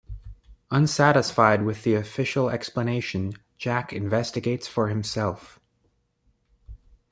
Unsatisfied with the official explanation, Jack investigates for himself.